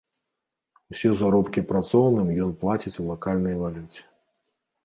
Усе заробкі працоўным ён плаціць у лакальнай валюце.